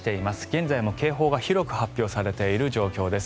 現在も警報が広く発表されている状況です。